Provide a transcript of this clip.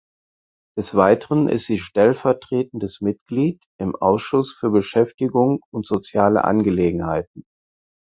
Des Weiteren ist sie stellvertretendes Mitglied im Ausschuss für Beschäftigung und soziale Angelegenheiten.